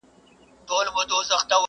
چي یې هیري دښمنۍ سي د کلونو د عمرونو!!